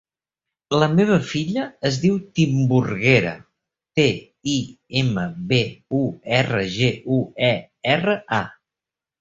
La meva filla es diu Timburguera: te, i, ema, be, u, erra, ge, u, e, erra, a.